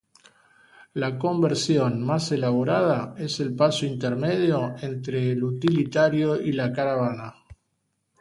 La conversión más elaborada es el paso intermedio entre el utilitario y la caravana.